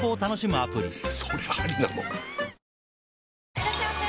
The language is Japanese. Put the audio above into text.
いらっしゃいませ！